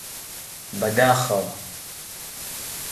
بەداخەوە!